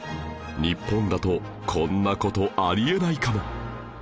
日本だとこんな事あり得ないかも